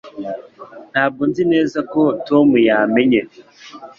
Ntabwo nzi neza ko Tom yamenye